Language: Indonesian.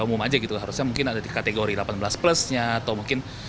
umum aja gitu harusnya mungkin ada di kategori delapan belas plusnya atau mungkin